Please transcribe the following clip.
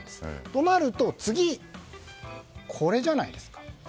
となると次はこれじゃないですか。